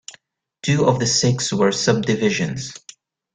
Two of the six were sub-divisions.